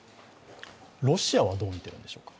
ロシアはどうみているんでしょうか？